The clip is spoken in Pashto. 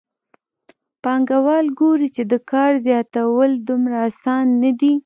پانګوال ګوري چې د کار زیاتول دومره اسانه نه دي